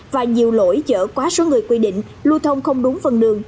và nhiều lỗi chở quá số người quy định lưu thông không đúng phần đường